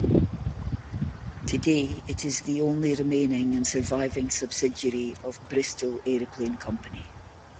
Today it is the only remaining and surviving subsidiary of Bristol Aeroplane Company.